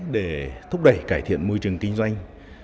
để thúc đẩy cải thiện môi trường kinh doanh